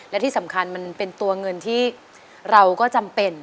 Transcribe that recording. และที่สำคัญมันเป็นตัวเงินที่เราก็จำเป็น